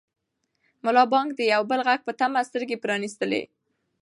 ملا بانګ د یو بل غږ په تمه سترګې پرانیستلې.